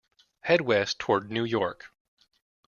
Head west toward New York.